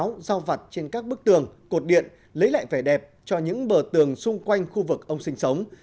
ông paul đã đặt các quảng cáo vặt trên các bức tường cột điện lấy lại vẻ đẹp cho những bờ tường xung quanh khu vực ông sinh sống